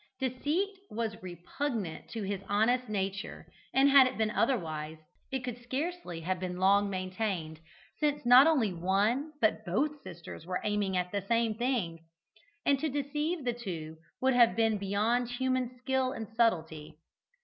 Deceit was repugnant to his honest nature, and had it been otherwise, it could scarcely have been long maintained, since not only one, but both sisters were aiming at the same thing, and to deceive the two would have been beyond human skill and subtlety.